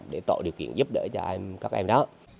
để tổ điều kiện giúp đỡ cho các em đó